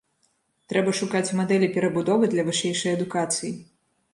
Трэба шукаць мадэлі перабудовы для вышэйшай адукацыі.